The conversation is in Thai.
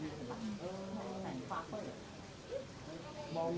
อันนี้คือแถวที่วันนี้มันอยู่ข้างหลัง